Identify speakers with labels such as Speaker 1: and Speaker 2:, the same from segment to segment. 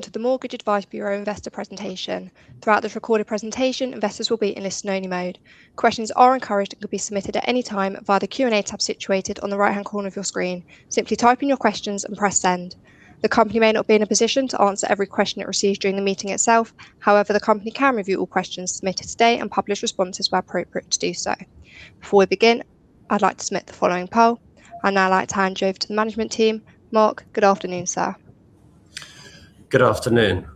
Speaker 1: Welcome to the Mortgage Advice Bureau investor presentation. Throughout this recorded presentation, investors will be in listen only mode. Questions are encouraged and can be submitted at any time via the Q&A tab situated on the right hand corner of your screen. Simply type in your questions and press send. The company may not be in a position to answer every question it receives during the meeting itself. However, the company can review all questions submitted today and publish responses where appropriate to do so. Before we begin, I'd like to submit the following poll. I'd now like to hand you over to the management team. Mark, good afternoon, sir.
Speaker 2: Good afternoon.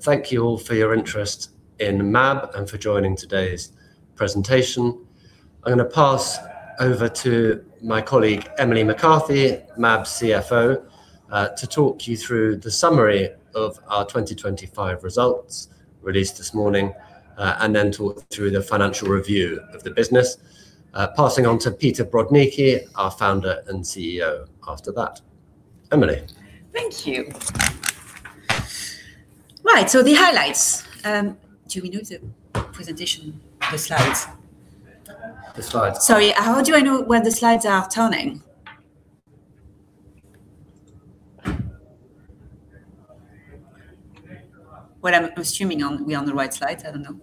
Speaker 2: Thank you all for your interest in MAB and for joining today's presentation. I'm gonna pass over to my colleague, Emilie McCarthy, MAB CFO, to talk you through the summary of our 2025 results released this morning. Talk through the financial review of the business. Passing on to Peter Brodnicki, our founder and CEO after that. Emilie.
Speaker 3: Thank you. Right. The highlights. Do we know the presentation, the slides?
Speaker 2: The slides.
Speaker 3: Sorry, how do I know when the slides are turning? Well, I'm assuming we're on the right slides. I don't know.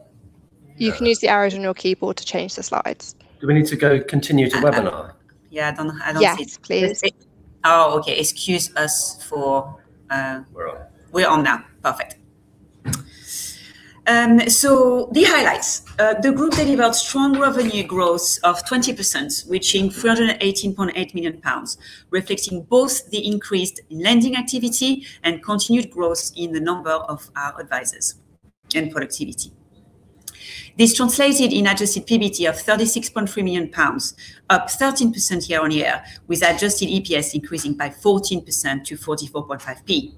Speaker 1: You can use the arrows on your keyboard to change the slides.
Speaker 2: Do we need to go continue to webinar?
Speaker 3: Yeah, I don't see.
Speaker 1: Yes, please.
Speaker 3: Oh, okay. Excuse us for,
Speaker 2: We're on.
Speaker 3: We're on now. Perfect. So the highlights. The group delivered strong revenue growth of 20%, reaching 318.8 million pounds, reflecting both the increased lending activity and continued growth in the number of our advisors and productivity. This translated in adjusted PBT of 36.3 million pounds, up 13% year-on-year, with adjusted EPS increasing by 14% to 44.5p.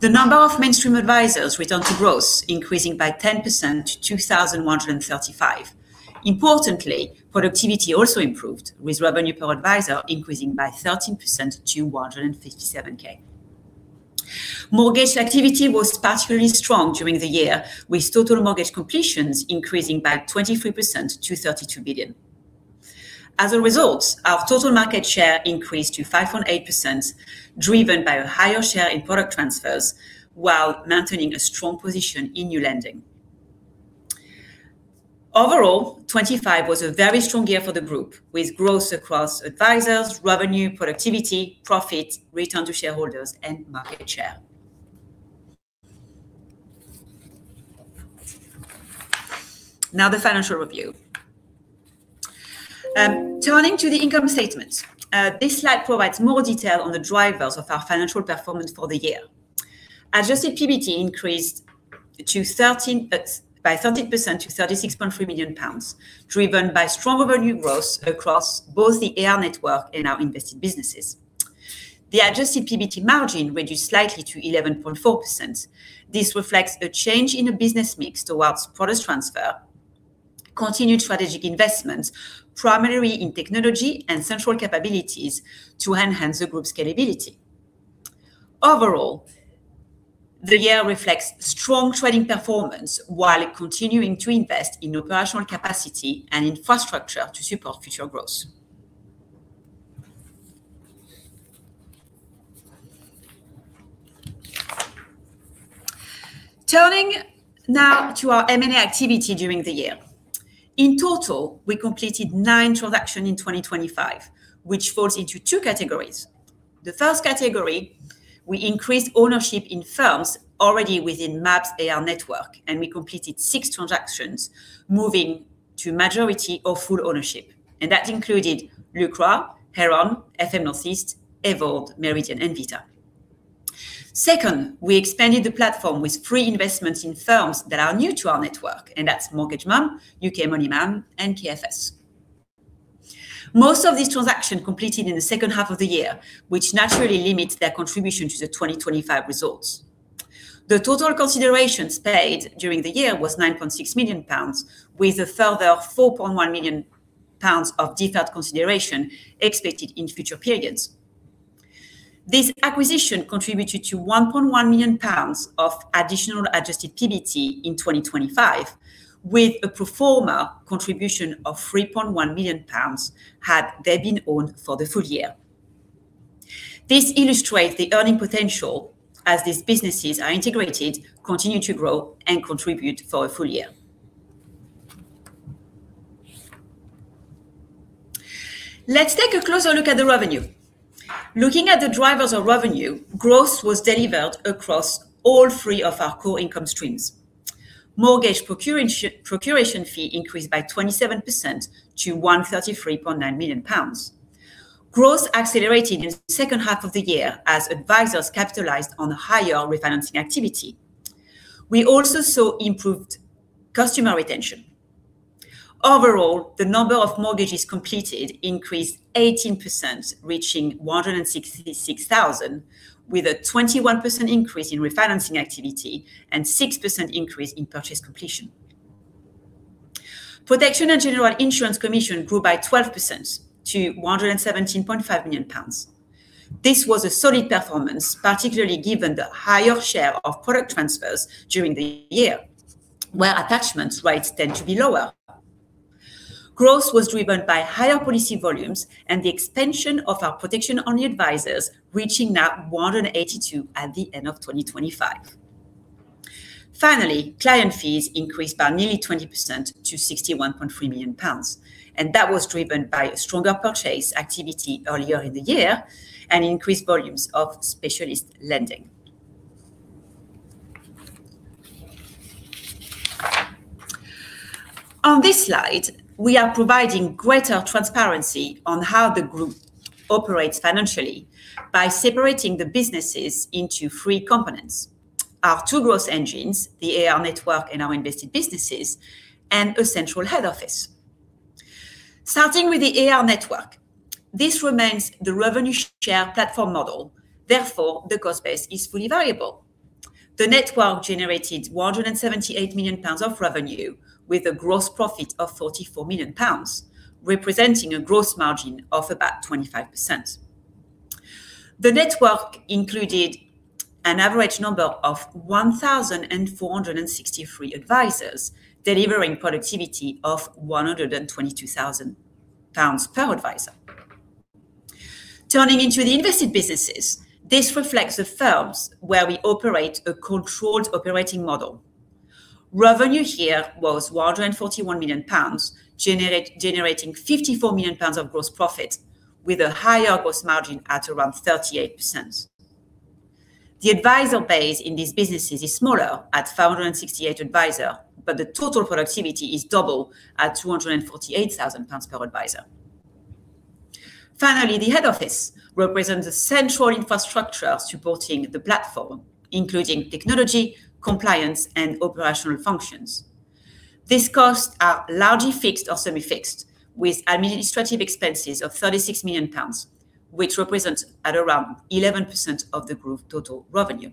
Speaker 3: The number of mainstream advisors returned to growth, increasing by 10% to 2,135. Importantly, productivity also improved, with revenue per advisor increasing by 13% to 157K. Mortgage activity was particularly strong during the year, with total mortgage completions increasing by 23% to 32 billion. As a result, our total market share increased to 5.8%, driven by a higher share in product transfers while maintaining a strong position in new lending. Overall, 2025 was a very strong year for the group with growth across advisors, revenue, productivity, profit, return to shareholders and market share. Now the financial review. Turning to the income statement. This slide provides more detail on the drivers of our financial performance for the year. Adjusted PBT increased by 13% to 36.3 million pounds, driven by strong revenue growth across both the AR network and our invested businesses. The adjusted PBT margin reduced slightly to 11.4%. This reflects a change in the business mix towards product transfer, continued strategic investments, primarily in technology and central capabilities to enhance the group's scalability. Overall, the year reflects strong trading performance while continuing to invest in operational capacity and infrastructure to support future growth. Turning now to our M&A activity during the year. In total, we completed 9 transactions in 2025, which falls into two categories. The first category, we increased ownership in firms already within MAB's AR network, and we completed 6 transactions, moving to majority of full ownership. That included Lucra, Heron, FM Northeast, Evolve, Meridian and Vita. Second, we expanded the platform with 3 investments in firms that are new to our network and that's Mortgage Mum, UK MoneyMan and KFS. Most of these transactions completed in the second half of the year, which naturally limits their contribution to the 2025 results. The total considerations paid during the year was 9.6 million pounds, with a further 4.1 million pounds of deferred consideration expected in future periods. This acquisition contributed to 1.1 million pounds of additional adjusted PBT in 2025, with a pro forma contribution of 3.1 million pounds had they been owned for the full year. This illustrates the earning potential as these businesses are integrated, continue to grow and contribute for a full year. Let's take a closer look at the revenue. Looking at the drivers of revenue, growth was delivered across all three of our core income streams. Mortgage procuration fee increased by 27% to 133.9 million pounds. Growth accelerated in the second half of the year as advisors capitalized on higher refinancing activity. We also saw improved customer retention. Overall, the number of mortgages completed increased 18%, reaching 166,000, with a 21% increase in refinancing activity and 6% increase in purchase completion. Protection and general insurance commission grew by 12% to 117.5 million pounds. This was a solid performance, particularly given the higher share of product transfers during the year, where attachment rates tend to be lower. Growth was driven by higher policy volumes and the extension of our protection on the advisors, reaching now 182 at the end of 2025. Finally, client fees increased by nearly 20% to 61.3 million pounds, and that was driven by a stronger purchase activity earlier in the year and increased volumes of specialist lending. On this slide, we are providing greater transparency on how the group operates financially by separating the businesses into three components. Our two growth engines, the AR network and our invested businesses, and a central head office. Starting with the AR network, this remains the revenue share platform model, therefore, the cost base is fully variable. The network generated 178 million pounds of revenue with a gross profit of 44 million pounds, representing a gross margin of about 25%. The network included an average number of 1,463 advisors, delivering productivity of 122,000 pounds per advisor. Turning to the invested businesses, this reflects the firms where we operate a controlled operating model. Revenue here was 141 million pounds, generating 54 million pounds of gross profit with a higher gross margin at around 38%. The advisor base in these businesses is smaller at 468 advisor, but the total productivity is double at 248,000 pounds per advisor. Finally, the head office represents a central infrastructure supporting the platform, including technology, compliance, and operational functions. These costs are largely fixed or semi-fixed, with administrative expenses of 36 million pounds, which represents at around 11% of the group total revenue.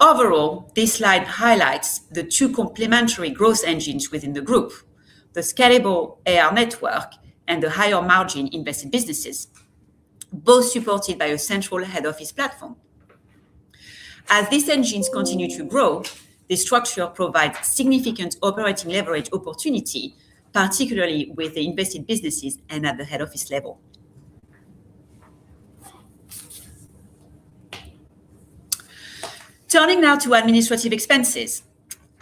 Speaker 3: Overall, this slide highlights the two complementary growth engines within the group, the scalable AR network and the higher margin invested businesses, both supported by a central head office platform. As these engines continue to grow, the structure provides significant operating leverage opportunity, particularly with the invested businesses and at the head office level. Turning now to administrative expenses.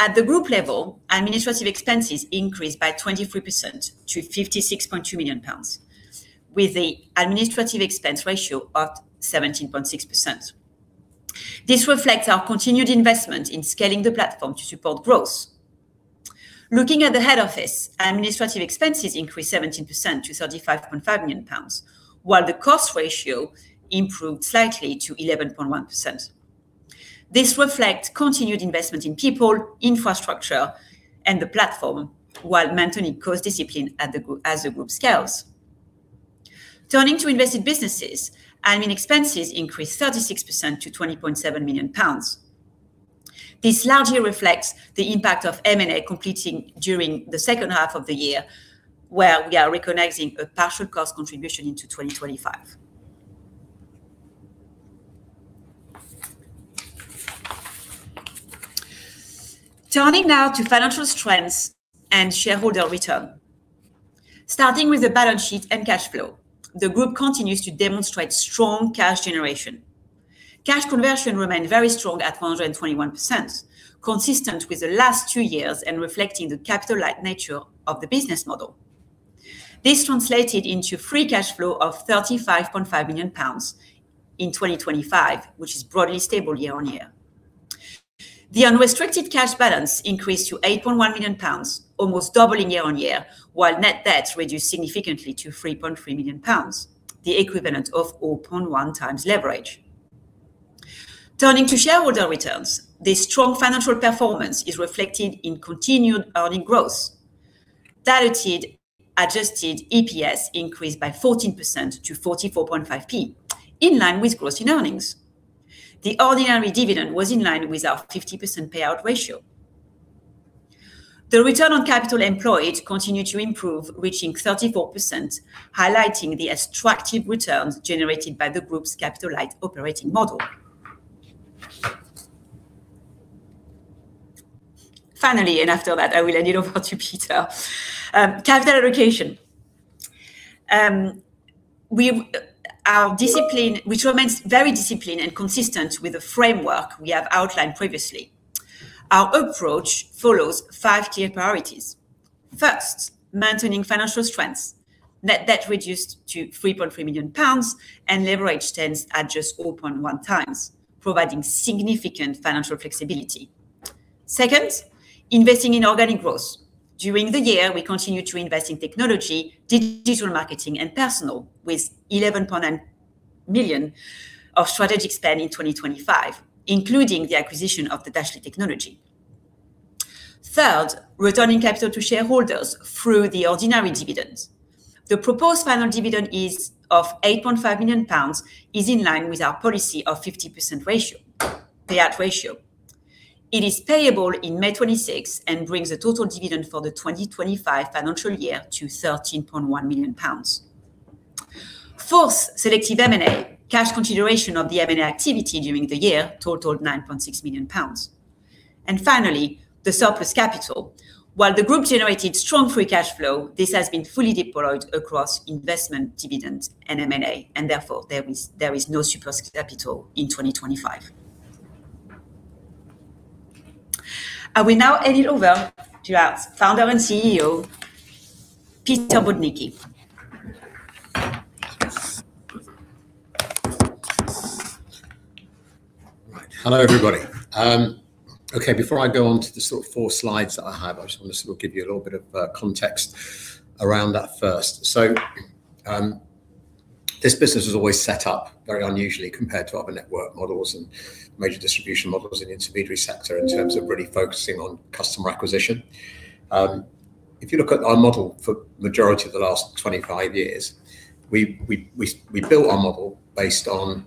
Speaker 3: At the group level, administrative expenses increased by 23% to 56.2 million pounds, with the administrative expense ratio of 17.6%. This reflects our continued investment in scaling the platform to support growth. Looking at the head office, administrative expenses increased 17% to 35.5 million pounds, while the cost ratio improved slightly to 11.1%. This reflects continued investment in people, infrastructure, and the platform while maintaining cost discipline at the group, as the group scales. Turning to invested businesses, admin expenses increased 36% to 20.7 million pounds. This largely reflects the impact of M&A completing during the second half of the year, where we are recognizing a partial cost contribution into 2025. Turning now to financial strengths and shareholder return. Starting with the balance sheet and cash flow, the group continues to demonstrate strong cash generation. Cash conversion remained very strong at 121%, consistent with the last two years and reflecting the capital-light nature of the business model. This translated into free cash flow of 35.5 million pounds in 2025, which is broadly stable year-on-year. The unrestricted cash balance increased to 8.1 million pounds, almost doubling year-on-year, while net debt reduced significantly to 3.3 million pounds, the equivalent of 0.1x leverage. Turning to shareholder returns, the strong financial performance is reflected in continued earnings growth. Diluted adjusted EPS increased by 14% to 44.5p, in line with gross earnings. The ordinary dividend was in line with our 50% payout ratio. The return on capital employed continued to improve, reaching 34%, highlighting the attractive returns generated by the group's capital-light operating model. Finally, and after that, I will hand over to Peter. Capital allocation. Our discipline, which remains very disciplined and consistent with the framework we have outlined previously. Our approach follows five key priorities. First, maintaining financial strengths. Net debt reduced to 3.3 million pounds and leverage stands at just 0.1 times, providing significant financial flexibility. Second, investing in organic growth. During the year, we continued to invest in technology, digital marketing, and personnel with 11 million of strategic spend in 2025, including the acquisition of the Dashly technology. Third, returning capital to shareholders through the ordinary dividends. The proposed final dividend is 8.5 million pounds, which is in line with our policy of 50% payout ratio. It is payable in May 2026 and brings the total dividend for the 2025 financial year to 13.1 million pounds. Fourth, selective M&A. Cash consideration of the M&A activity during the year totaled 9.6 million pounds. Finally, the surplus capital. While the group generated strong free cash flow, this has been fully deployed across investment dividends and M&A, and therefore, there is no surplus capital in 2025. I will now hand it over to our founder and CEO, Peter Brodnicki.
Speaker 4: Right. Hello, everybody. Okay, before I go on to the sort of 4 slides that I have, I just want to sort of give you a little bit of context around that first. This business was always set up very unusually compared to other network models and major distribution models in the intermediary sector in terms of really focusing on customer acquisition. If you look at our model for majority of the last 25 years, we built our model based on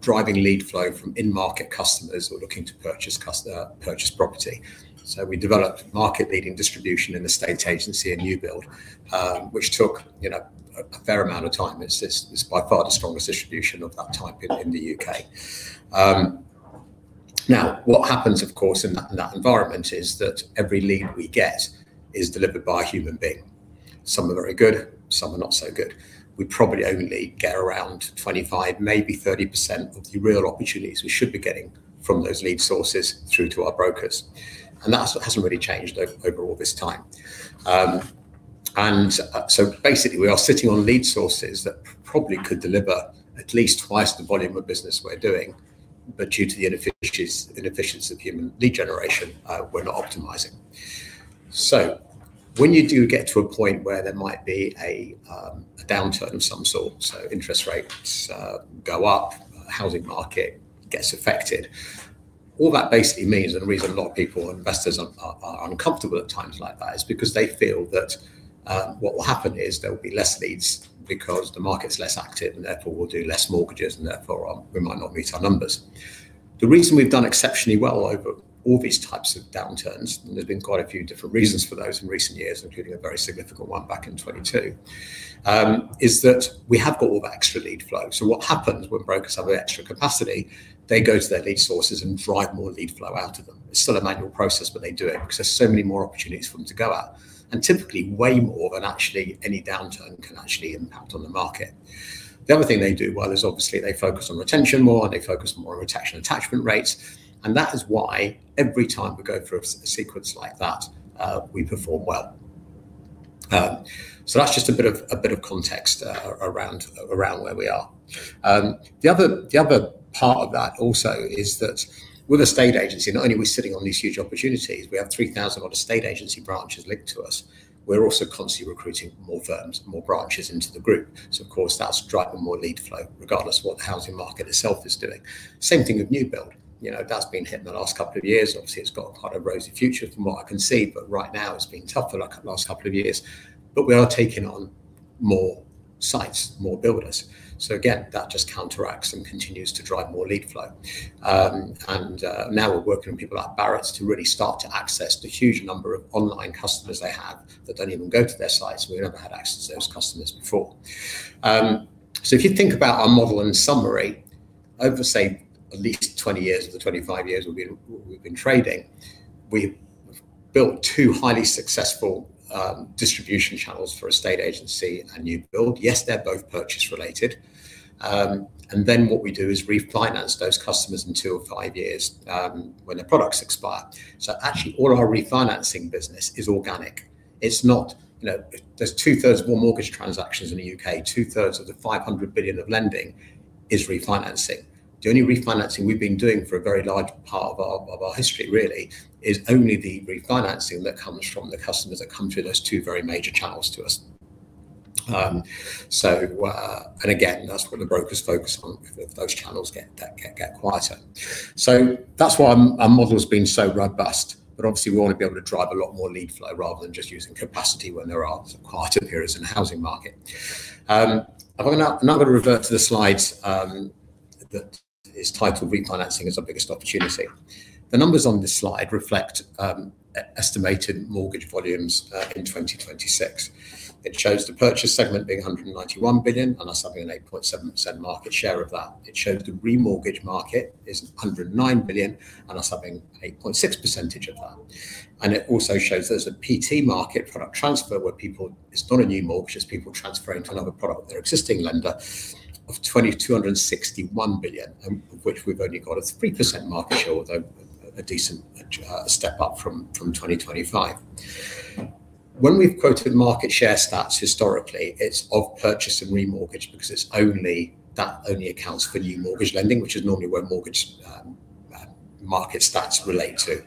Speaker 4: driving lead flow from in-market customers who are looking to purchase property. We developed market-leading distribution in estate agency and new build, which took, you know, a fair amount of time. It's just by far the strongest distribution of that type in the UK. Now, what happens of course in that environment is that every lead we get is delivered by a human being. Some are very good, some are not so good. We probably only get around 25, maybe 30% of the real opportunities we should be getting from those lead sources through to our brokers. That's what hasn't really changed over all this time. Basically we are sitting on lead sources that probably could deliver at least twice the volume of business we're doing. Due to the inefficiency of human lead generation, we're not optimizing. When you do get to a point where there might be a downturn of some sort, interest rates go up, housing market gets affected. All that basically means, and the reason a lot of people, investors are uncomfortable at times like that, is because they feel that what will happen is there will be less leads because the market's less active and therefore will do less mortgages and therefore we might not meet our numbers. The reason we've done exceptionally well over all these types of downturns, and there's been quite a few different reasons for those in recent years, including a very significant one back in 2022, is that we have got all that extra lead flow. What happens when brokers have extra capacity, they go to their lead sources and drive more lead flow out of them. It's still a manual process, but they do it because there's so many more opportunities for them to go at. Typically way more than actually any downturn can actually impact on the market. The other thing they do well is obviously they focus on retention more, and they focus more on retention attachment rates. That is why every time we go through a sequence like that, we perform well. That's just a bit of context around where we are. The other part of that also is that with estate agency, not only are we sitting on these huge opportunities, we have 3,000 other estate agency branches linked to us. We're also constantly recruiting more firms and more branches into the group. Of course that's driving more lead flow regardless of what the housing market itself is doing. Same thing with new build. You know, that's been hit in the last couple of years. Obviously it's got quite a rosy future from what I can see. Right now it's been tough for like the last couple of years. We are taking on more sites, more builders. Again, that just counteracts and continues to drive more lead flow. Now we're working with people like Barratt to really start to access the huge number of online customers they have that don't even go to their sites. We've never had access to those customers before. If you think about our model in summary, over say at least 20 years of the 25 years we've been trading, we've built two highly successful distribution channels for estate agency and new build. Yes, they're both purchase related. Then what we do is refinance those customers in 2 or 5 years, when the products expire. Actually all of our refinancing business is organic. It's not, you know, there's 2/3 of all mortgage transactions in the UK, 2/3 of the 500 billion of lending is refinancing. The only refinancing we've been doing for a very large part of our history really is only the refinancing that comes from the customers that come through those two very major channels to us. And again, that's what the brokers focus on if those channels get quieter. That's why our model's been so robust. Obviously we want to be able to drive a lot more lead flow rather than just using capacity when there are quieter periods in the housing market. I'm now gonna revert to the slides that is titled Refinancing Is Our Biggest Opportunity. The numbers on this slide reflect estimated mortgage volumes in 2026. It shows the purchase segment being 191 billion, and us having an 8.7% market share of that. It shows the remortgage market is 109 billion and us having 8.6% of that. It also shows there's a PT market, product transfer, where people, it's not a new mortgage, it's people transferring to another product with their existing lender, of 261 billion, which we've only got a 3% market share, although a decent step up from 2025. When we've quoted market share stats historically, it's of purchase and remortgage because that only accounts for new mortgage lending, which is normally where mortgage market stats relate to.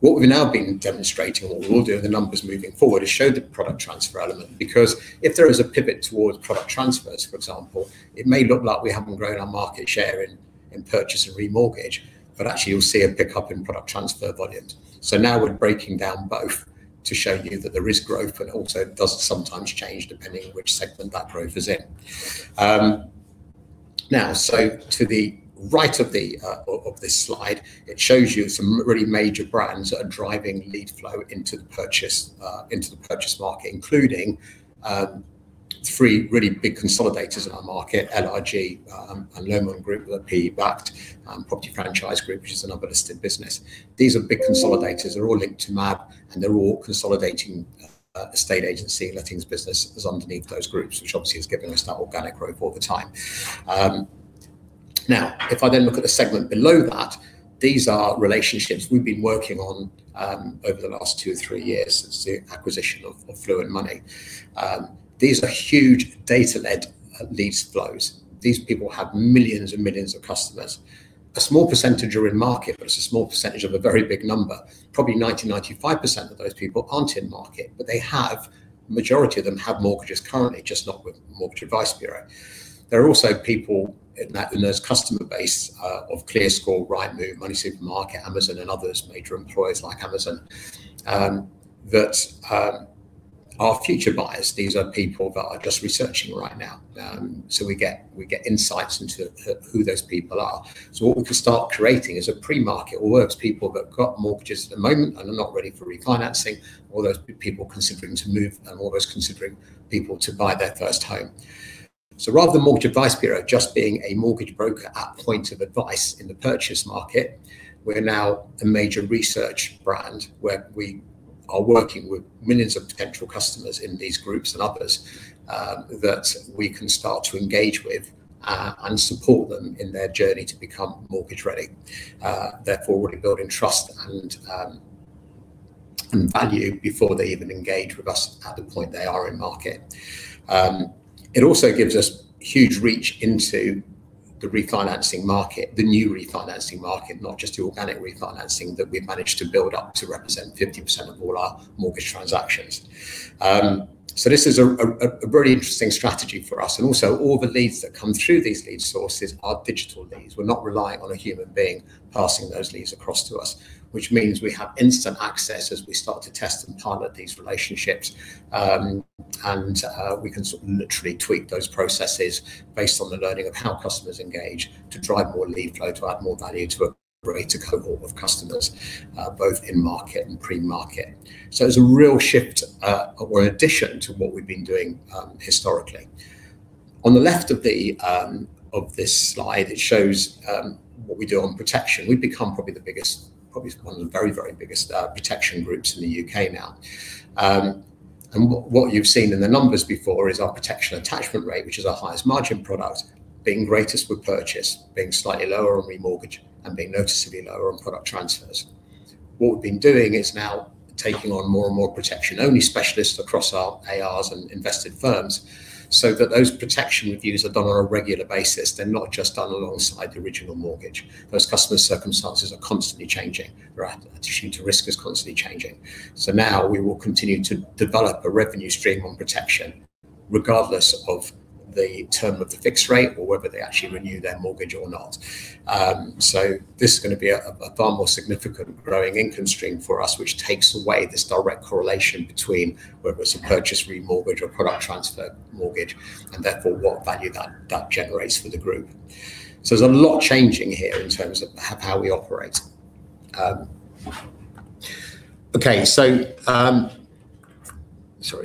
Speaker 4: What we've now been demonstrating and what we will do with the numbers moving forward, is show the product transfer element because if there is a pivot towards product transfers, for example, it may look like we haven't grown our market share in purchase and remortgage. Actually you'll see a pickup in product transfer volumes. Now we're breaking down both to show you that there is growth and also it does sometimes change depending on which segment that growth is in. Now to the right of this slide, it shows you some really major brands that are driving lead flow into the purchase market, including three really big consolidators in our market, LRG, and Lomond Group, the PE-backed Property Franchise Group, which is another listed business. These are big consolidators. They're all linked to MAB, and they're all consolidating estate agency. Lettings business is underneath those groups, which obviously is giving us that organic growth all the time. Now, if I then look at the segment below that, these are relationships we've been working on over the last two or three years since the acquisition of Fluent Money. These are huge data-led leads flows. These people have millions and millions of customers. A small percentage are in market, but it's a small percentage of a very big number. Probably 95% of those people aren't in market. They have majority of them have mortgages currently, just not with Mortgage Advice Bureau. There are also people in those customer base of ClearScore, Rightmove, MoneySuperMarket, Amazon, and others, major employers like Amazon, that are future buyers. These are people that are just researching right now. We get insights into who those people are. What we can start creating is a pre-market, or where it's people that have got mortgages at the moment and are not ready for refinancing, or those people considering to move and all those considering people to buy their first home. Rather than Mortgage Advice Bureau just being a mortgage broker at point of advice in the purchase market, we're now a major research brand where we are working with millions of potential customers in these groups and others, that we can start to engage with, and support them in their journey to become mortgage ready. Therefore, we're building trust and value before they even engage with us at the point they are in market. It also gives us huge reach into the refinancing market, the new refinancing market, not just the organic refinancing that we've managed to build up to represent 50% of all our mortgage transactions. This is a very interesting strategy for us. Also, all the leads that come through these lead sources are digital leads. We're not relying on a human being passing those leads across to us, which means we have instant access as we start to test and pilot these relationships. We can sort of literally tweak those processes based on the learning of how customers engage to drive more lead flow, to add more value, to operate a cohort of customers, both in market and pre-market. There's a real shift or addition to what we've been doing historically. On the left of this slide, it shows what we do on protection. We've become probably the biggest, probably one of the very biggest protection groups in the U.K. now. What you've seen in the numbers before is our protection attachment rate, which is our highest margin product, being greatest with purchase, being slightly lower on remortgage, and being noticeably lower on product transfers. What we've been doing is now taking on more and more protection-only specialists across our ARs and invested firms so that those protection reviews are done on a regular basis. They're not just done alongside the original mortgage. Those customer circumstances are constantly changing. Their attitude to risk is constantly changing. Now we will continue to develop a revenue stream on protection regardless of the term of the fixed rate or whether they actually renew their mortgage or not. This is gonna be a far more significant growing income stream for us, which takes away this direct correlation between whether it's a purchase, remortgage, or product transfer mortgage, and therefore what value that generates for the group. There's a lot changing here in terms of how we operate. Okay. Sorry,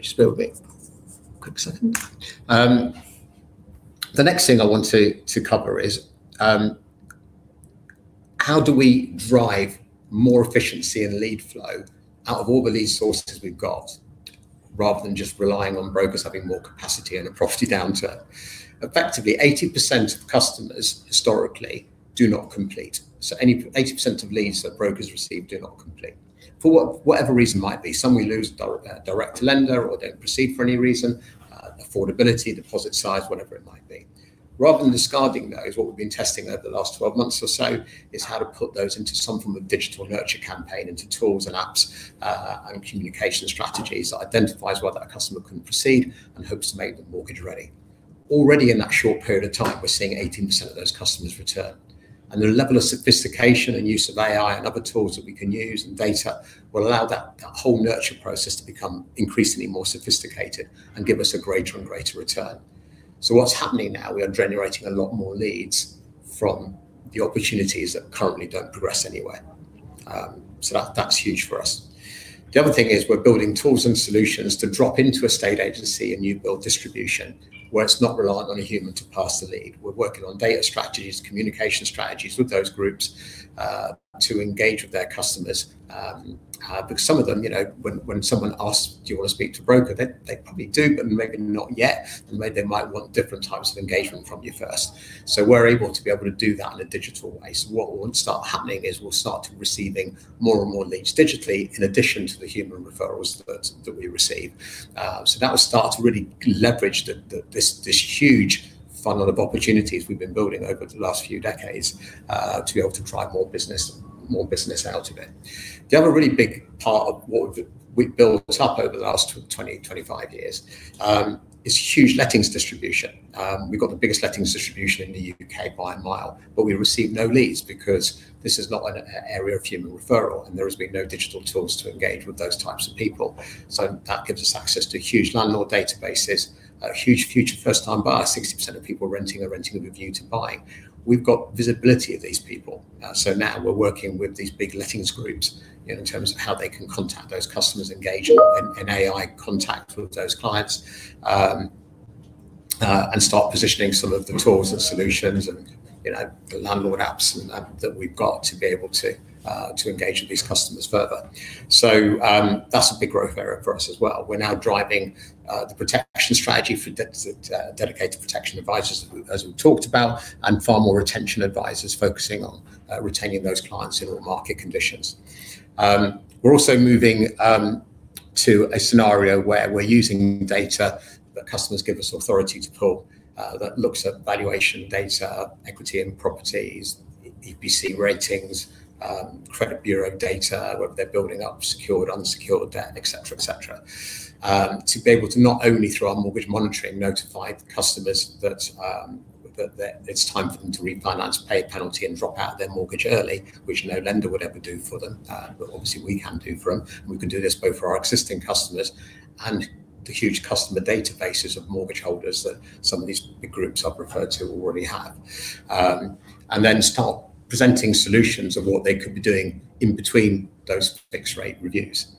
Speaker 4: just bear with me quick second. The next thing I want to cover is, how do we drive more efficiency and lead flow out of all the lead sources we've got rather than just relying on brokers having more capacity and a property downturn? Effectively, 80% of customers historically do not complete. 80% of leads that brokers receive do not complete for whatever reason might be. Some we lose direct to lender or don't proceed for any reason, affordability, deposit size, whatever it might be. Rather than discarding those, what we've been testing over the last 12 months or so is how to put those into some form of digital nurture campaign, into tools and apps, and communication strategies that identifies why that customer couldn't proceed and hopes to make them mortgage ready. Already in that short period of time, we're seeing 18% of those customers return. The level of sophistication and use of AI and other tools that we can use and data will allow that whole nurture process to become increasingly more sophisticated and give us a greater and greater return. What's happening now, we are generating a lot more leads from the opportunities that currently don't progress anywhere. That's huge for us. The other thing is we're building tools and solutions to drop into estate agency and new build distribution where it's not reliant on a human to pass the lead. We're working on data strategies, communication strategies with those groups, to engage with their customers. Because some of them, you know, when someone asks, "Do you wanna speak to a broker?" They probably do, but maybe not yet. They might want different types of engagement from you first. We're able to do that in a digital way. What will then start happening is we'll start receiving more and more leads digitally in addition to the human referrals that we receive. That will start to really leverage this huge funnel of opportunities we've been building over the last few decades to be able to drive more business out of it. The other really big part of what we've built up over the last 25 years is huge lettings distribution. We've got the biggest lettings distribution in the UK by a mile. We receive no leads because this is not an area of human referral, and there has been no digital tools to engage with those types of people. That gives us access to huge landlord databases, huge future first-time buyers. 60% of people renting are renting with a view to buying. We've got visibility of these people. Now we're working with these big lettings groups in terms of how they can contact those customers, engage in AI contact with those clients, and start positioning some of the tools and solutions and, you know, the landlord apps and that that we've got to be able to to engage with these customers further. That's a big growth area for us as well. We're now driving the protection strategy for dedicated protection advisors, as we talked about, and far more retention advisors focusing on retaining those clients in all market conditions. We're also moving to a scenario where we're using data that customers give us authority to pull that looks at valuation data, equity in properties, EPC ratings, credit bureau data, whether they're building up secured, unsecured debt, et cetera. To be able to not only through our mortgage monitoring notify customers that it's time for them to refinance, pay a penalty, and drop out their mortgage early, which no lender would ever do for them. But obviously we can do for them, and we can do this both for our existing customers and the huge customer databases of mortgage holders that some of these big groups I've referred to already have. Start presenting solutions of what they could be doing in between those fixed rate reviews.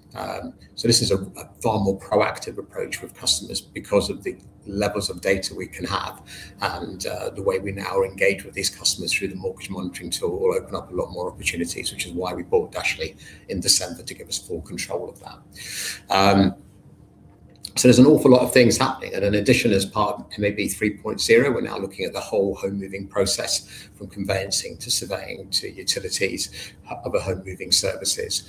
Speaker 4: This is a far more proactive approach with customers because of the levels of data we can have. The way we now engage with these customers through the mortgage monitoring tool will open up a lot more opportunities, which is why we bought Dashly in December to give us full control of that. There's an awful lot of things happening. In addition, as part of MAB 3.0, we're now looking at the whole home moving process, from conveyancing to surveying to utilities, other home moving services,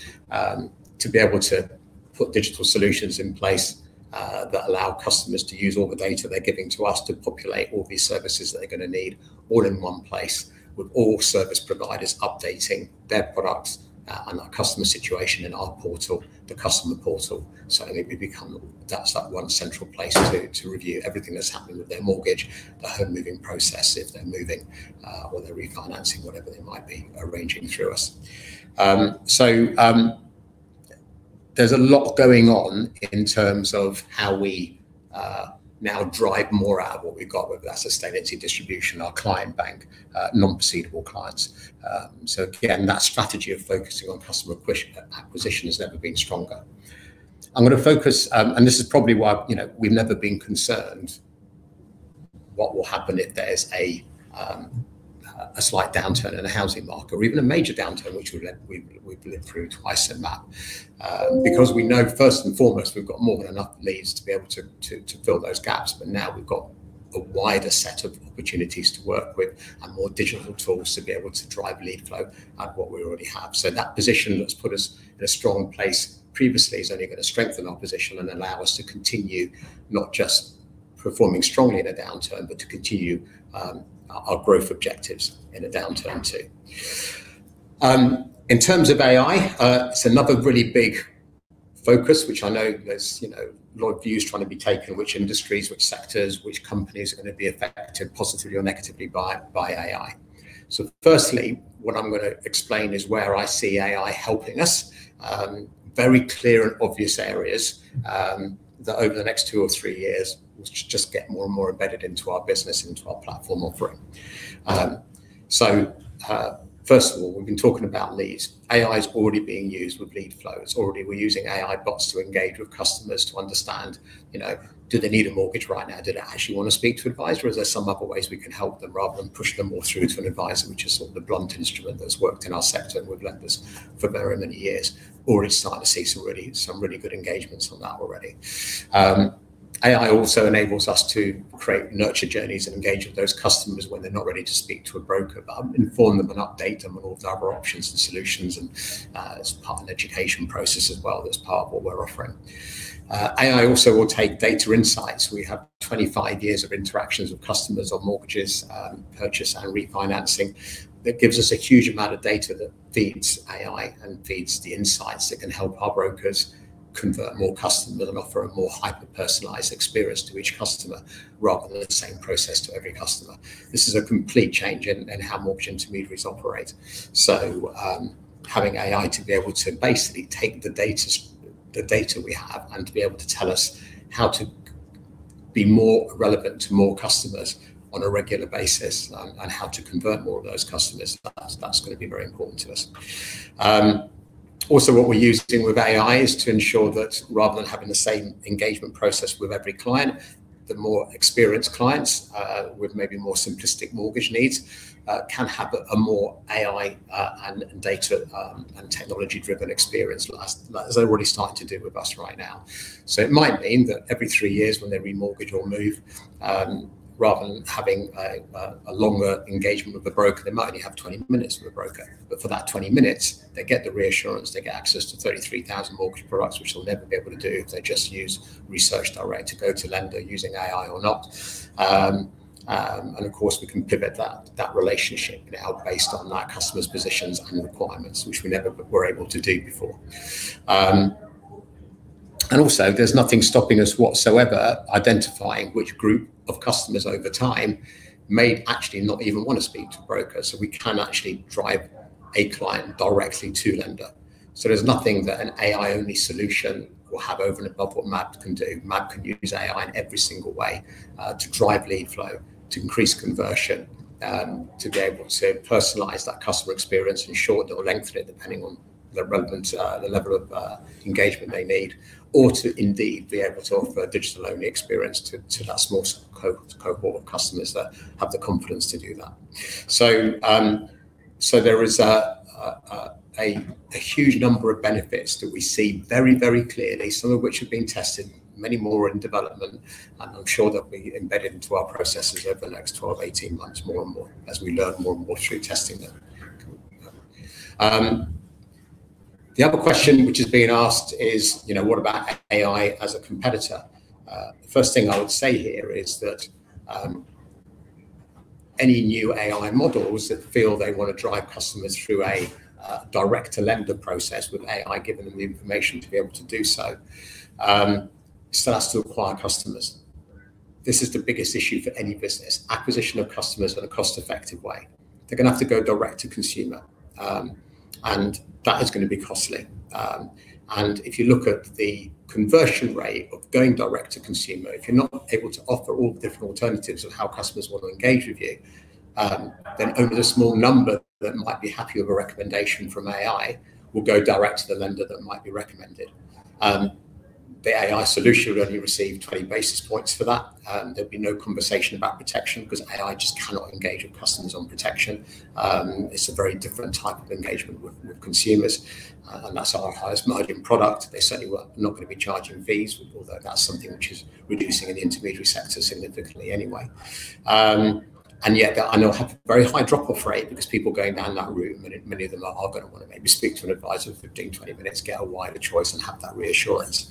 Speaker 4: to be able to put digital solutions in place, that allow customers to use all the data they're giving to us to populate all these services that they're gonna need all in one place with all service providers updating their products, and that customer situation in our portal, the customer portal. It will become that one central place to review everything that's happening with their mortgage, the home moving process if they're moving, or they're refinancing, whatever they might be arranging through us. There's a lot going on in terms of how we now drive more out of what we've got with that sustainability distribution, our client bank, non-procedural clients. Again, that strategy of focusing on customer acquisition has never been stronger. I'm gonna focus, and this is probably why, you know, we've never been concerned what will happen if there's a slight downturn in the housing market or even a major downturn, which we've lived through twice in that, because we know first and foremost, we've got more than enough leads to be able to fill those gaps. Now we've got a wider set of opportunities to work with and more digital tools to be able to drive lead flow at what we already have. That position that's put us in a strong place previously is only gonna strengthen our position and allow us to continue not just performing strongly in a downturn, but to continue our growth objectives in a downturn too. In terms of AI, it's another really big focus which I know there's, you know, a lot of views trying to be taken. Which industries, which sectors, which companies are gonna be affected positively or negatively by AI? Firstly, what I'm gonna explain is where I see AI helping us, very clear and obvious areas, that over the next two or three years will just get more and more embedded into our business and to our platform offering. First of all, we've been talking about leads. AI is already being used with lead flow. It's already, we're using AI bots to engage with customers to understand, you know, do they need a mortgage right now? Do they actually wanna speak to advisor? Is there some other ways we can help them rather than push them all through to an advisor, which is sort of the blunt instrument that's worked in our sector and with lenders for very many years. Already starting to see some really good engagements on that already. AI also enables us to create nurture journeys and engage with those customers when they're not ready to speak to a broker, but inform them and update them on all of our options and solutions. It's part of an education process as well. That's part of what we're offering. AI also will take data insights. We have 25 years of interactions with customers on mortgages, purchase and refinancing. That gives us a huge amount of data that feeds AI and feeds the insights that can help our brokers convert more customers and offer a more hyper-personalized experience to each customer rather than the same process to every customer. This is a complete change in how mortgage intermediaries operate. Having AI to be able to basically take the data we have and to be able to tell us how to be more relevant to more customers on a regular basis and how to convert more of those customers, that's gonna be very important to us. Also what we're using with AI is to ensure that rather than having the same engagement process with every client, the more experienced clients with maybe more simplistic mortgage needs can have a more AI and data and technology-driven experience as they're already starting to do with us right now. It might mean that every 3 years when they remortgage or move, rather than having a longer engagement with a broker, they might only have 20 minutes with a broker. For that 20 minutes, they get the reassurance, they get access to 33,000 mortgage products, which they'll never be able to do if they just use research directly to go to lender using AI or not. And of course, we can pivot that relationship and help based on that customer's positions and requirements, which we never were able to do before. And also there's nothing stopping us whatsoever identifying which group of customers over time may actually not even want to speak to a broker. We can actually drive a client directly to lender. There's nothing that an AI-only solution will have over and above what MAB can do. MAB can use AI in every single way, to drive lead flow, to increase conversion, to be able to personalize that customer experience and shorten or lengthen it depending on the level of engagement they need, or to indeed be able to offer a digital-only experience to that small cohort of customers that have the confidence to do that. So there is a huge number of benefits that we see very, very clearly, some of which have been tested, many more are in development. I'm sure that'll be embedded into our processes over the next 12-18 months more and more as we learn more and more through testing them. The other question which is being asked is, you know, what about AI as a competitor? The first thing I would say here is that any new AI models that feel they want to drive customers through a direct-to-lender process with AI giving them the information to be able to do so still has to acquire customers. This is the biggest issue for any business, acquisition of customers in a cost-effective way. They're gonna have to go direct to consumer. That is gonna be costly. If you look at the conversion rate of going direct to consumer, if you're not able to offer all the different alternatives of how customers want to engage with you, then only the small number that might be happy with a recommendation from AI will go direct to the lender that might be recommended. The AI solution would only receive 20 basis points for that. There'd be no conversation about protection because AI just cannot engage with customers on protection. It's a very different type of engagement with consumers. That's our highest margin product. They certainly were not going to be charging fees, although that's something which is reducing in the intermediary sector significantly anyway. Yet they have a very high drop-off rate because people going down that route, and many of them are gonna want to maybe speak to an advisor for 15, 20 minutes, get a wider choice, and have that reassurance.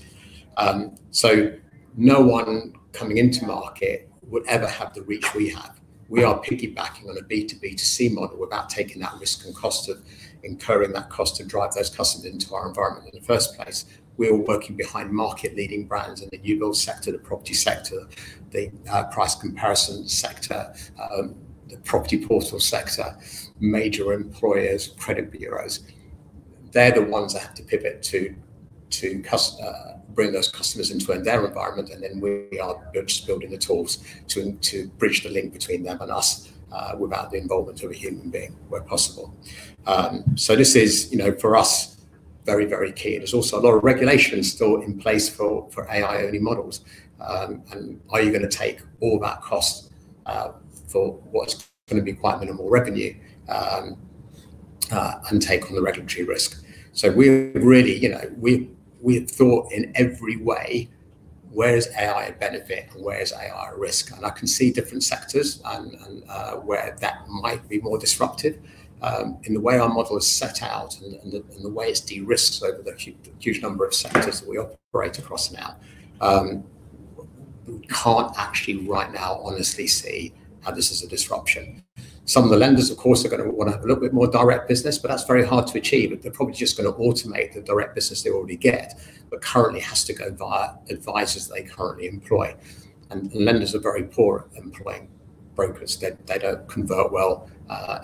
Speaker 4: No one coming into market would ever have the reach we have. We are piggybacking on a B2B2C model without taking that risk and cost of incurring that cost to drive those customers into our environment in the first place. We are working behind market-leading brands in the newbuild sector, the property sector, the price comparison sector, the property portal sector, major employers, credit bureaus. They're the ones that have to pivot to bring those customers into their environment, and then we are just building the tools to bridge the link between them and us without the involvement of a human being where possible. This is, you know, for us, very, very key. There's also a lot of regulation still in place for AI-only models. Are you gonna take all that cost for what's going to be quite minimal revenue and take on the regulatory risk? We really, you know, we have thought in every way, where is AI a benefit and where is AI a risk? I can see different sectors and where that might be more disruptive. In the way our model is set out and the way it's de-risked over the huge number of sectors that we operate across now, we can't actually right now honestly see how this is a disruption. Some of the lenders, of course, are gonna want to have a little bit more direct business, but that's very hard to achieve. They're probably just going to automate the direct business they already get, but currently has to go via advisors they currently employ. Lenders are very poor at employing brokers. They don't convert well.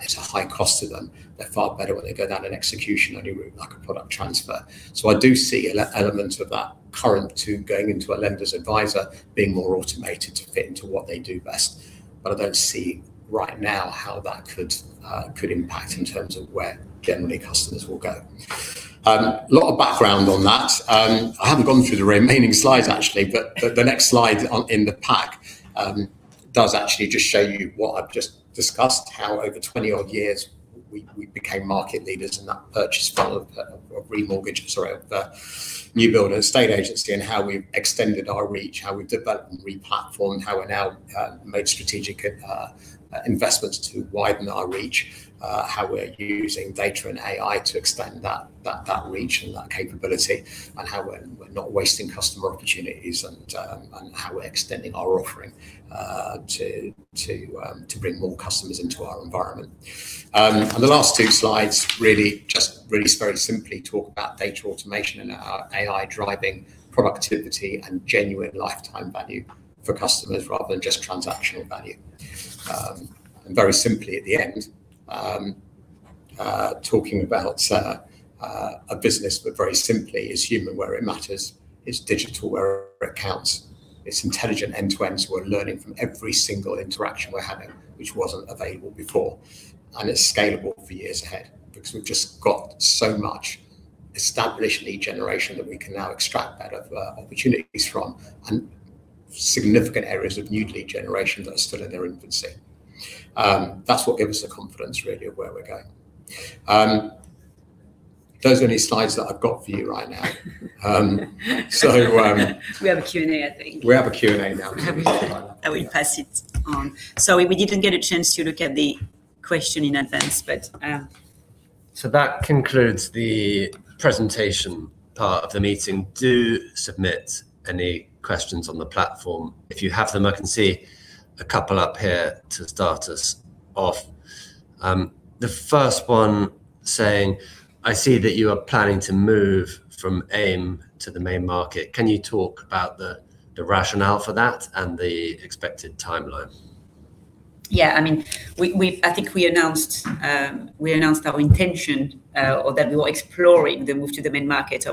Speaker 4: It's a high cost to them. They're far better when they go down an execution-only route, like a product transfer. I do see elements of that current tool going into a lender's advisor being more automated to fit into what they do best. I don't see right now how that could impact in terms of where generally customers will go. A lot of background on that. I haven't gone through the remaining slides actually, but the next slide in the pack does actually just show you what I've just discussed. How over 20-odd years, we became market leaders in that purchase flow of remortgages or of new build and estate agency, and how we've extended our reach, how we've developed and replatformed, how we're now made strategic investments to widen our reach, how we're using data and AI to extend that reach and that capability, and how we're not wasting customer opportunities and how we're extending our offering to bring more customers into our environment. The last two slides really just really very simply talk about data automation and AI driving productivity and genuine lifetime value for customers rather than just transactional value. Very simply at the end, talking about a business that very simply is human where it matters, it's digital where it counts, it's intelligent end-to-end, so we're learning from every single interaction we're having, which wasn't available before. It's scalable for years ahead because we've just got so much established lead generation that we can now extract opportunities from and significant areas of new lead generation that are still in their infancy. That's what gives us the confidence really of where we're going. Those are only slides that I've got for you right now.
Speaker 3: We have a Q&A, I think.
Speaker 4: We have a Q&A now.
Speaker 3: I will pass it on. We didn't get a chance to look at the question in advance, but,
Speaker 4: That concludes the presentation part of the meeting. Do submit any questions on the platform if you have them. I can see a couple up here to start us off. The first one saying, "I see that you are planning to move from AIM to the main market. Can you talk about the rationale for that and the expected timeline?
Speaker 3: Yeah, I mean, I think we announced our intention, or that we were exploring the move to the main market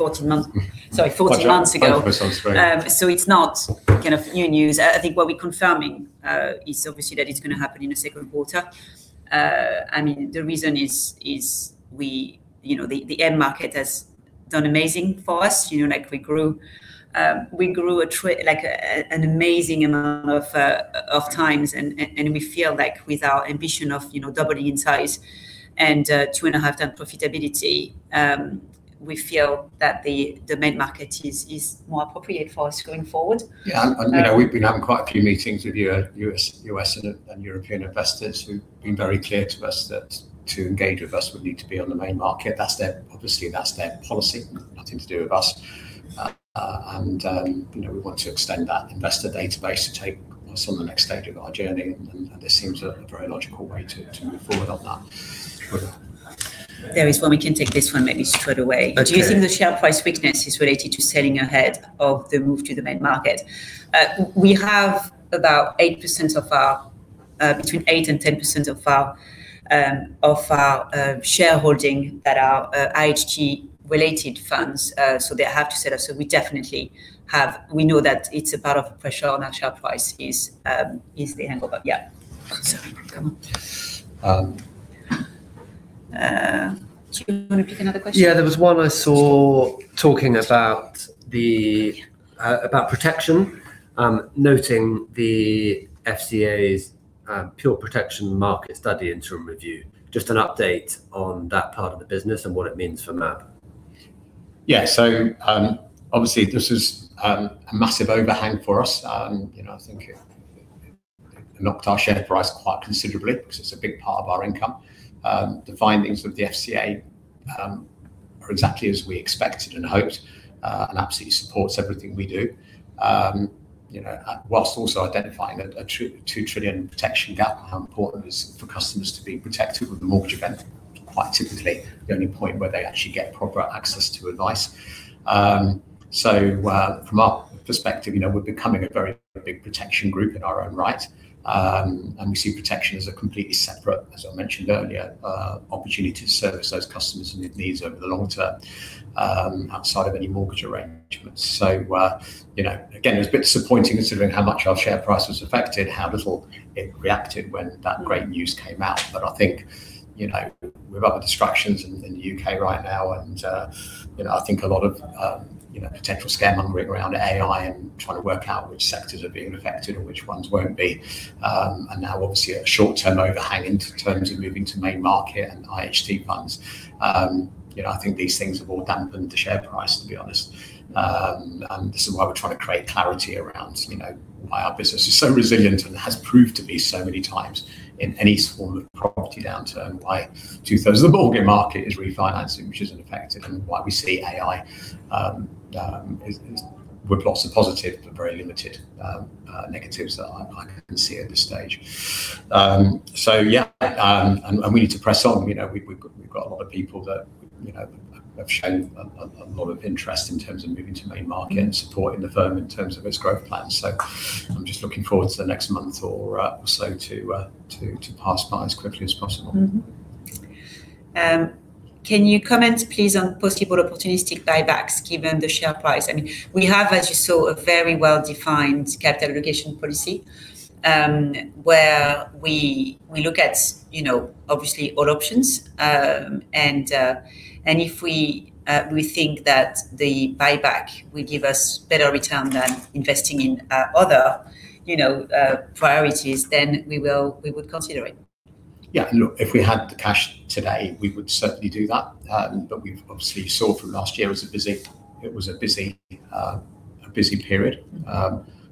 Speaker 3: already 14 months.
Speaker 4: Mm-hmm.
Speaker 3: Sorry, 14 months ago.
Speaker 4: Apologies for sounding drunk.
Speaker 3: It's not kind of new news. I think what we're confirming is obviously that it's gonna happen in the second quarter. I mean, the reason is we, you know, the end market has done amazing for us. You know, like we grew like an amazing amount of times and we feel like with our ambition of, you know, doubling in size and 2.5 times profitability, we feel that the main market is more appropriate for us going forward.
Speaker 4: Yeah, you know, we've been having quite a few meetings with U.S. and European investors who've been very clear to us that to engage with us would need to be on the main market. Obviously that's their policy, nothing to do with us. You know, we want to extend that investor database to take what's on the next stage of our journey, and this seems a very logical way to move forward on that.
Speaker 3: There is one. We can take this one maybe straight away.
Speaker 4: Okay.
Speaker 3: Do you think the share price weakness is related to selling ahead of the move to the main market? We have between 8% and 10% of our shareholding that are IHT related funds. They have to sell us, so we definitely know that it's a part of pressure on our share price is the hangup. Yeah. Come on.
Speaker 4: Um.
Speaker 3: Do you wanna pick another question?
Speaker 4: Yeah, there was one I saw talking about protection, noting the FCA's pure protection market study interim review. Just an update on that part of the business and what it means for MAB.
Speaker 3: Yeah.
Speaker 4: Obviously this is a massive overhang for us. You know, I think it knocked our share price quite considerably because it's a big part of our income. The findings of the FCA are exactly as we expected and hoped, and absolutely supports everything we do. You know, while also identifying a 2 trillion protection gap and how important it's for customers to be protected with the mortgage event, quite typically the only point where they actually get proper access to advice. From our perspective, you know, we're becoming a very big protection group in our own right. We see protection as a completely separate, as I mentioned earlier, opportunity to service those customers and their needs over the long term, outside of any mortgage arrangements. It was a bit disappointing considering how much our share price was affected, how little it reacted when that great news came out. I think, you know, with other distractions in the U.K. right now, and, you know, I think a lot of, you know, potential scaremongering around AI and trying to work out which sectors are being affected or which ones won't be, and now obviously a short term overhang in terms of moving to main market and IHT funds, you know, I think these things have all dampened the share price, to be honest. This is why we're trying to create clarity around, you know, why our business is so resilient and has proved to be so many times in any form of property downturn, why 2/3 of the mortgage market is refinancing, which isn't affected, and why we see AI as with lots of positive but very limited negatives that I can see at this stage. Yeah, we need to press on. You know, we've got a lot of people that, you know, have shown a lot of interest in terms of moving to main market and supporting the firm in terms of its growth plans. I'm just looking forward to the next month or so to pass by as quickly as possible.
Speaker 3: Can you comment please on possible opportunistic buybacks given the share price? I mean, we have, as you saw, a very well-defined capital allocation policy, where we look at, you know, obviously all options. If we think that the buyback will give us better return than investing in other, you know, priorities, then we would consider it.
Speaker 4: Yeah, look, if we had the cash today, we would certainly do that. We've obviously saw through last year it was a busy period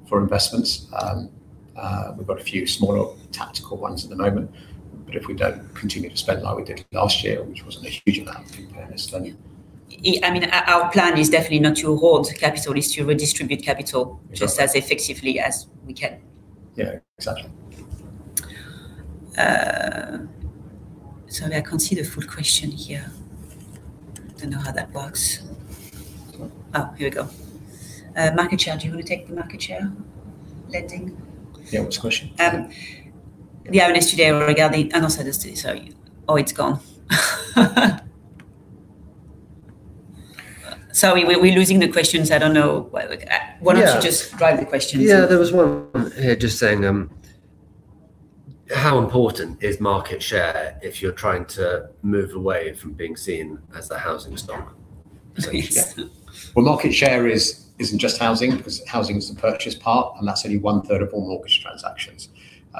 Speaker 4: for investments. We've got a few smaller tactical ones at the moment, but if we don't continue to spend like we did last year, which wasn't a huge amount in fairness then.
Speaker 3: I mean, our plan is definitely not to hold capital. It's to redistribute capital.
Speaker 4: Got it.
Speaker 3: Just as effectively as we can.
Speaker 4: Yeah, exactly.
Speaker 3: Sorry, I can't see the full question here. Don't know how that works. Here we go. Market share. Do you wanna take the market share lending?
Speaker 4: Yeah. What's the question?
Speaker 3: Sorry. Oh, it's gone. Sorry, we're losing the questions. I don't know why. Why don't you just drive the questions?
Speaker 4: Yeah, there was one here just saying, how important is market share if you're trying to move away from being seen as the housing stock?
Speaker 3: Yeah.
Speaker 4: Market share isn't just housing because housing is the purchase part, and that's only 1/3 of all mortgage transactions.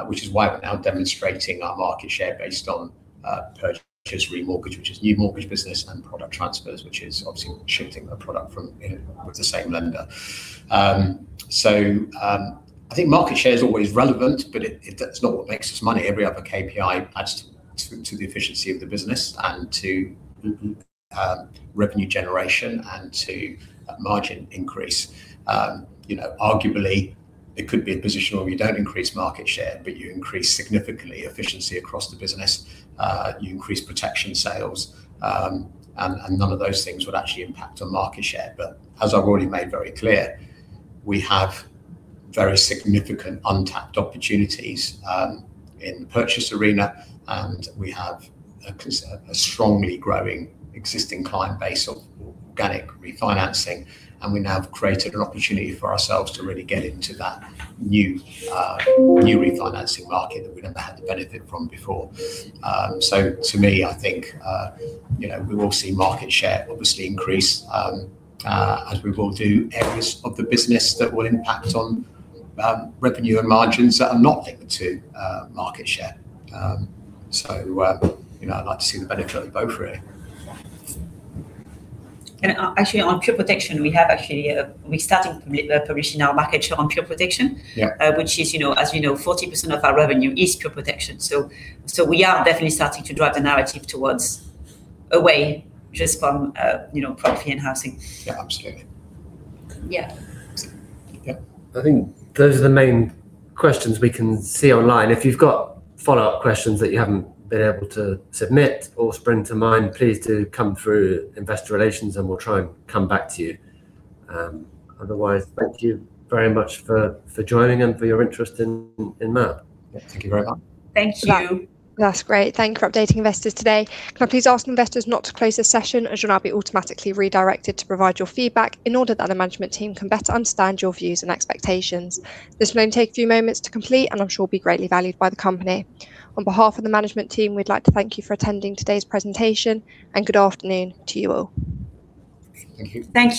Speaker 4: Which is why we're now demonstrating our market share based on purchase, remortgage, which is new mortgage business and product transfers, which is obviously shifting a product from with the same lender. I think market share is always relevant, but it, that's not what makes us money. Every other KPI adds to the efficiency of the business and to revenue generation and to margin increase. You know, arguably it could be a position where you don't increase market share, but you increase significantly efficiency across the business. You increase protection sales, and none of those things would actually impact on market share. I've already made very clear, we have very significant untapped opportunities in the purchase arena, and we have a strongly growing existing client base of organic refinancing, and we now have created an opportunity for ourselves to really get into that new new refinancing market that we never had the benefit from before. To me, I think you know we will see market share obviously increase as we will do areas of the business that will impact on revenue and margins that are not linked to market share. You know, I'd like to see the benefit of both really.
Speaker 3: Actually, on pure protection we have actually, we're starting publishing our market share on pure protection.
Speaker 4: Yeah.
Speaker 3: Which is, you know, as you know, 40% of our revenue is pure protection, so we are definitely starting to drive the narrative towards away just from, you know, property enhancing.
Speaker 4: Yeah. Absolutely.
Speaker 3: Yeah.
Speaker 4: Yeah.
Speaker 2: I think those are the main questions we can see online. If you've got follow-up questions that you haven't been able to submit or spring to mind, please do come through investor relations and we'll try and come back to you. Otherwise thank you very much for joining and for your interest in MAB.
Speaker 4: Yeah. Thank you very much.
Speaker 3: Thank you.
Speaker 1: That's great. Thank you for updating investors today. Can I please ask investors not to close this session as you'll now be automatically redirected to provide your feedback in order that the management team can better understand your views and expectations. This will only take a few moments to complete and I'm sure will be greatly valued by the company. On behalf of the management team, we'd like to thank you for attending today's presentation and good afternoon to you all.
Speaker 4: Thank you.
Speaker 3: Thank you.